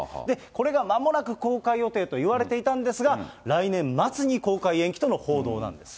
これがまもなく公開予定と言われていたんですが、来年末に公開延期との報道なんです。